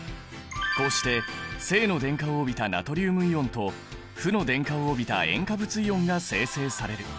こうして正の電荷を帯びたナトリウムイオンと負の電荷を帯びた塩化物イオンが生成される。